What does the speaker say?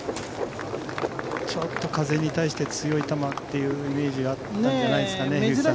ちょっと風に対して強い球というイメージがあったんじゃないですかね。